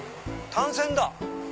単線だ。